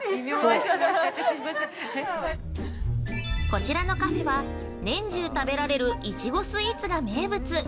◆こちらのカフェは年中食べられるいちごスイーツが名物。